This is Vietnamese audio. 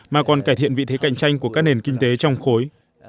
mà còn cải thiện vị thế cạnh tranh của các nền kinh tế trong khối